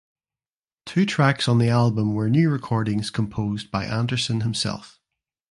Two tracks on the album were new recordings composed by Anderson himself.